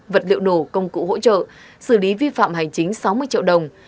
vật liệu nổ công cụ hỗ trợ xử lý vi phạm hành chính sáu mươi triệu đồng